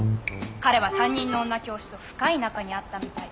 彼は担任の女教師と深い仲にあったみたい。